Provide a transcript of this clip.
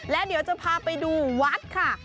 และเดี๋ยวจะพาไปดูวัดค่ะ